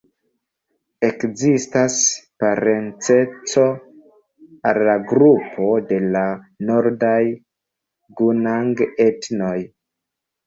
Ekzistas parenceco al la grupo de la nordaj gunang-etnoj.